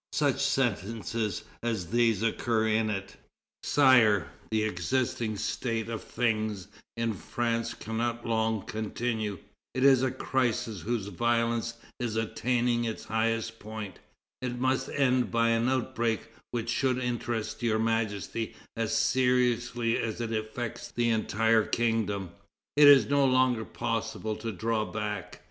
Such sentences as these occur in it: "Sire, the existing state of things in France cannot long continue; it is a crisis whose violence is attaining its highest point; it must end by an outbreak which should interest Your Majesty as seriously as it affects the entire kingdom.... It is no longer possible to draw back.